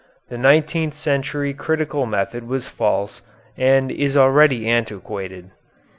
The nineteenth century critical method was false, and is already antiquated....